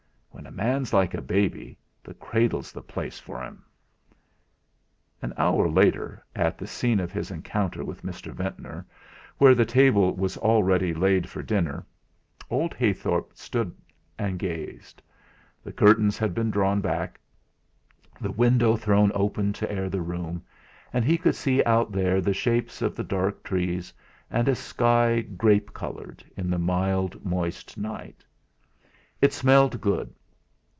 When a man's like a baby, the cradle's the place for him.'.... An hour later, at the scene of his encounter with Mr. Ventnor, where the table was already laid for dinner, old Heythorp stood and gazed. The curtains had been drawn back, the window thrown open to air the room, and he could see out there the shapes of the dark trees and a sky grape coloured, in the mild, moist night. It smelt good.